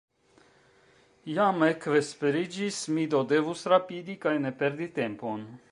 Jam ekvesperiĝis, mi do devus rapidi kaj ne perdi tempon.